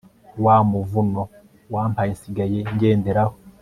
wa muvuno wampaye nsigaye njyenderaho